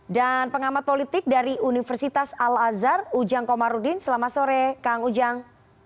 dan pengamat politik dari universitas al azhar ujang komarudin selamat sore kang ujang